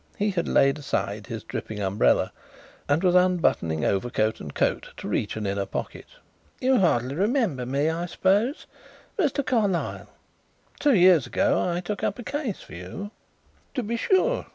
He had laid aside his dripping umbrella and was unbuttoning overcoat and coat to reach an inner pocket. "You hardly remember me, I suppose? Mr. Carlyle two years ago I took up a case for you " "To be sure. Mr.